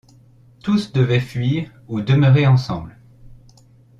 Tous devaient fuir ou demeurer ensemble.